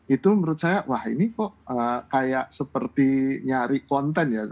itu menurut saya wah ini kok kayak seperti nyari konten ya